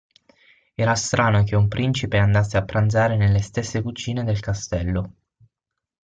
Era strano che un principe andasse a pranzare nelle stesse cucine del castello.